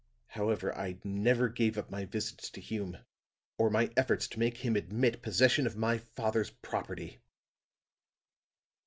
However, I never gave up my visits to Hume, or my efforts to make him admit possession of my father's property.